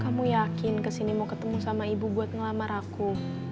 kamu yakin kesini mau ketemu sama ibu buat ngelamar aku